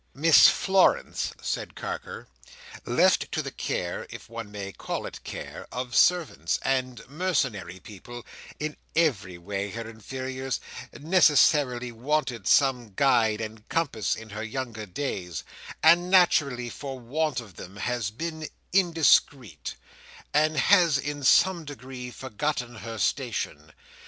"Miss Florence," said Carker, "left to the care—if one may call it care—of servants and mercenary people, in every way her inferiors, necessarily wanted some guide and compass in her younger days, and, naturally, for want of them, has been indiscreet, and has in some degree forgotten her station.